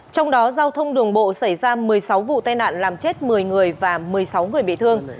trong đó giao thông đường bộ xảy ra một mươi sáu vụ tai nạn làm chết một mươi người và một mươi sáu người bị thương